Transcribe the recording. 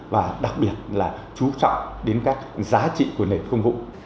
và đặc biệt là chú trọng đến các giá trị của nền công vụ